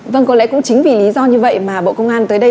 vâng có lẽ cũng chính vì lý do như vậy mà bộ công an tới đây